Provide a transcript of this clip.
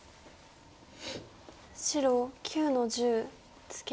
白９の十ツケ。